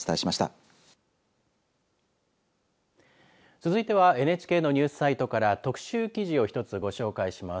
続いてはＮＨＫのニュースサイトから特集記事を一つご紹介します。